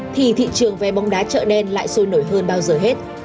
thì thị trường vé bóng đá chợ đen lại sôi nổi hơn bao giờ hết